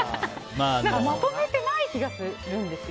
まとめてない気がするんです。